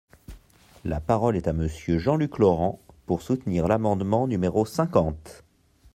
La parole est à Monsieur Jean-Luc Laurent, pour soutenir l’amendement numéro cinquante.